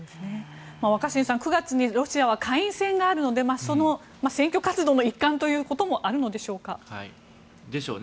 若新さん、ロシアは９月に下院選があるのでその選挙活動の一環ということもあるのでしょうか。でしょうね。